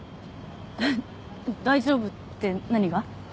えっ「大丈夫」って何が？